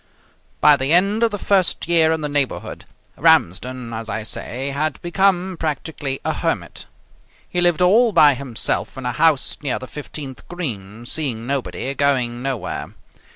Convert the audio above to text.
By the end of the first year in the neighbourhood, Ramsden, as I say, had become practically a hermit. He lived all by himself in a house near the fifteenth green, seeing nobody, going nowhere.